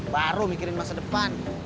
baru mikirin masa depan